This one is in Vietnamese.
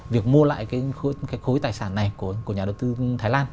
việc mua lại cái khối tài sản này của nhà đầu tư thái lan